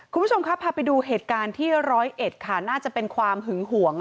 คุณผู้ชมครับพอะไปดูเหตุการณ์ที่๑๐๑คนน่าจะเป็นความหึงหวง